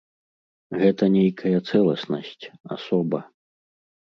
Гэта нейкая цэласнасць, асоба.